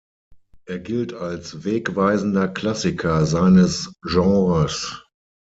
Er gilt als wegweisender Klassiker seines Genres.